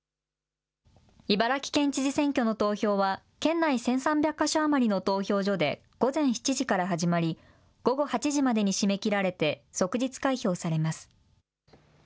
茨城県知事選挙の投票は、県内１３００か所余りの投票所で午前７時から始まり、午後８時までに締め切られて、即日開票されます。